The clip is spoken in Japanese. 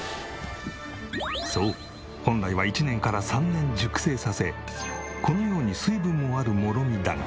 そう本来は１年から３年熟成させこのように水分もあるもろみだが。